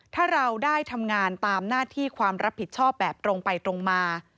ถ้าเราได้ทำงานตามหน้าที่ความรับผิดชอบแบบตรงไปตรงมา